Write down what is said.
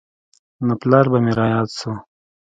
نو پلار به مې راياد سو.